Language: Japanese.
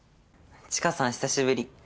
知花さん久しぶり！